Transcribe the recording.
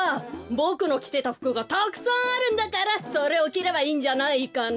ボクのきてたふくがたくさんあるんだからそれをきればいいんじゃないかな？